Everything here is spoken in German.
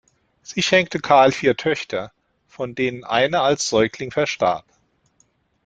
Sie schenkte Karl vier Töchter, von denen eine als Säugling verstarb.